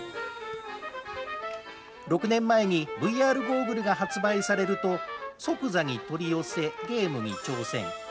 ６年前に、ＶＲゴーグルが発売されると、即座に取り寄せ、ゲームに挑戦。